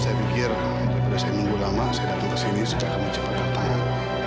saya pikir daripada saya menunggu lama saya datang ke sini supaya kamu cepat terletakkan